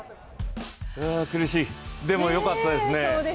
苦しい、でもよかったですね。